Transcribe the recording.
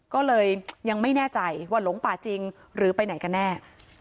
ก็เลยยังไม่แน่ใจว่าหลงป่าจริงหรือไปไหนกันแน่